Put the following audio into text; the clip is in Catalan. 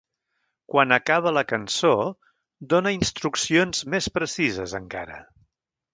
Quan acaba la cançó, dóna instruccions més precises encara.